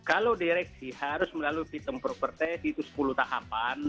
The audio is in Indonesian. kalau direksi harus melalui fit and proper test itu sepuluh tahapan